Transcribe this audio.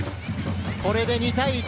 これで２対１。